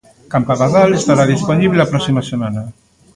Campabadal estará dispoñible a próxima semana.